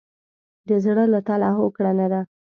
د زړه له تله هوکړه نه ده.